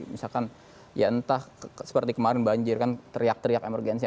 misalkan ya entah seperti kemarin banjir kan teriak teriak emergensi